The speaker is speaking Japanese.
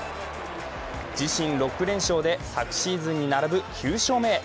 自身６連勝で、昨シーズンに並ぶ９勝目へ。